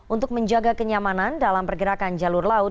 untuk menjaga kenyamanan dalam pergerakan jalur laut